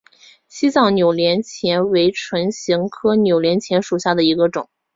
西藏扭连钱为唇形科扭连钱属下的一个种。